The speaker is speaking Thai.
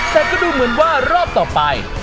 แต่ก็ดูเหมือนว่ารอบต่อไป